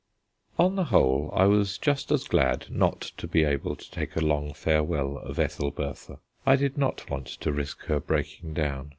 On the whole, I was just as glad not to be able to take a long farewell of Ethelbertha; I did not want to risk her breaking down.